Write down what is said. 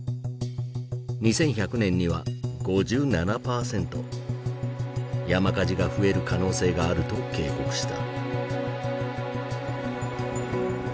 ２１００年には５７％山火事が増える可能性があると警告した。